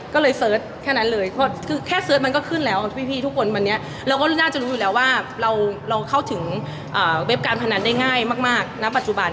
ก็เลยเสิร์ชแค่นั้นเลยคือแค่เสิร์ชมันก็ขึ้นแล้วพี่ทุกคนวันนี้เราก็น่าจะรู้อยู่แล้วว่าเราเข้าถึงเว็บการพนันได้ง่ายมากณปัจจุบัน